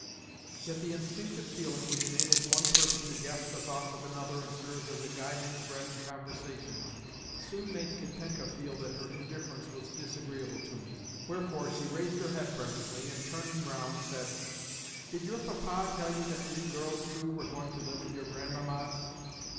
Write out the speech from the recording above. Yet the instinctive feeling which enables one person to guess the thoughts of another and serves as a guiding thread in conversation soon made Katenka feel that her indifference was disagreeable to me; wherefore she raised her head presently, and, turning round, said: "Did your Papa tell you that we girls too were going to live at your Grandmamma's?"